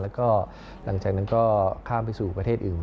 แล้วก็หลังจากนั้นก็ข้ามไปสู่ประเทศอื่น